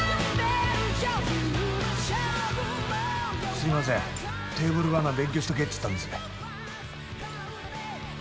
すみませんテーブルマナー勉強しとけっつったんですが。